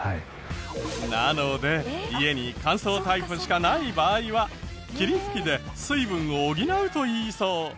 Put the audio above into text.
なので家に乾燥タイプしかない場合は霧吹きで水分を補うといいそう。